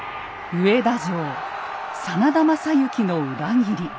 上田城真田昌幸の裏切り。